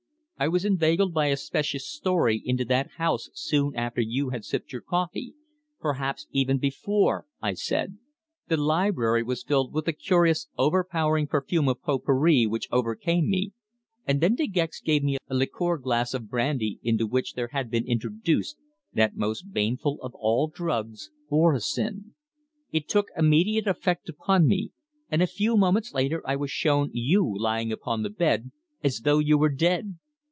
"I was inveigled by a specious story into that house soon after you had sipped your coffee perhaps even before," I said. "The library was filled with a curious, overpowering perfume of pot pourri which overcame me, and then De Gex gave me a liqueur glass of brandy into which there had been introduced that most baneful of all drugs orosin! It took immediate effect upon me, and a few moments later I was shown you lying upon the bed, as though you were dead!